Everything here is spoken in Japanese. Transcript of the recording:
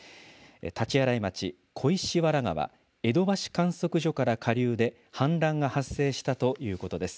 たちあらい町、小石原川えどばし観測所から下流で氾濫が発生したということです。